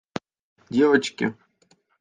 девочки